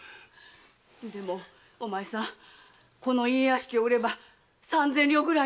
でもお前さんこの家屋敷を売れば三千両ぐらいは。